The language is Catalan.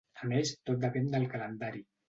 A més, tot depèn del calendari.